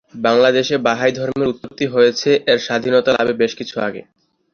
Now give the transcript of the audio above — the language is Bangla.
বাংলাদেশে বাহাই ধর্মের উৎপত্তি হয়েছে এর স্বাধীনতা লাভের বেশ কিছু আগে থেকে।